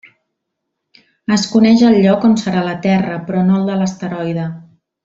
Es coneix el lloc on serà la Terra però no el de l'asteroide.